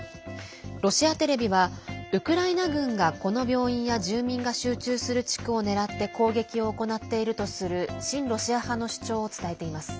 ロシアテレビはウクライナ軍がこの病院や住民が集中する地区を狙って攻撃を行っているとする親ロシア派の主張を伝えています。